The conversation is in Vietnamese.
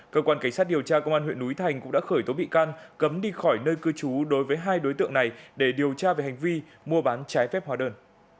cơ quan cảnh sát điều tra công an huyện núi thành cũng đã khởi tố bị can cấm đi khỏi nơi cư trú đối với hai đối tượng này để điều tra về hành vi mua bán trái phép hóa đơn